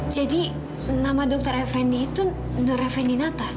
jadi nama dokter fnd itu nur fninata